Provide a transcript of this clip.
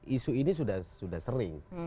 isu ini sudah sering